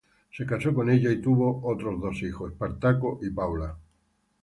Se casó con ella y tuvo otros dos hijos: Espartaco y Paola.